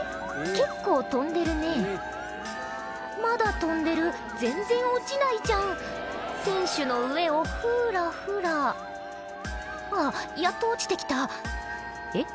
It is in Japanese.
結構飛んでるねまだ飛んでる全然落ちないじゃん選手の上をふらふらあっやっと落ちて来たえっ